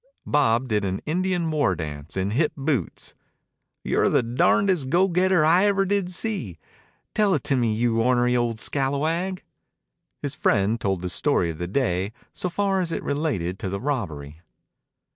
Bob did an Indian war dance in hip boots. "You're the darndest go getter ever I did see. Tell it to me, you ornery ol' scalawag." His friend told the story of the day so far as it related to the robbery.